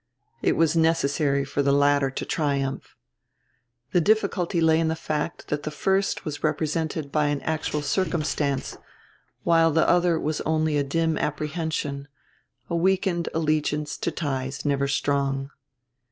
It was necessary for the latter to triumph. The difficulty lay in the fact that the first was represented by an actual circumstance while the other was only a dim apprehension, a weakened allegiance to ties never strong.